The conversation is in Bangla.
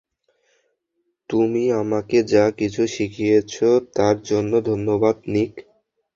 তুমি আমাকে যা কিছু শিখিয়েছ তার জন্য ধন্যবাদ, নিক।